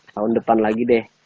tahun depan lagi deh